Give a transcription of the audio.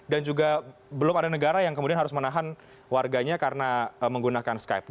dan juga belum ada negara yang kemudian harus menahan warganya karena menggunakan skype